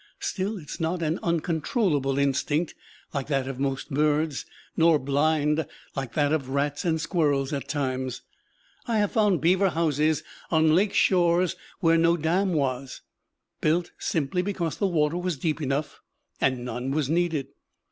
Still it is not an uncontrollable instinct like that of most birds; nor blind, like that of rats and squirrels at times. I have found beaver houses on lake shores where no dam was built, simply because the water was deep enough, and none was needed.